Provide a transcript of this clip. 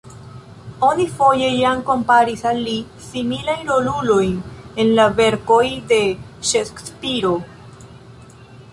Oni foje jam komparis al li similajn rolulojn en la verkoj de Ŝekspiro.